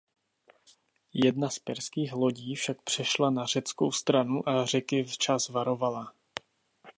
Jedna z perských lodí však přešla na řeckou stranu a Řeky včas varovala.